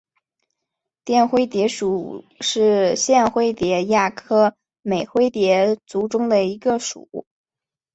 绽灰蝶属是线灰蝶亚科美灰蝶族中的一个属。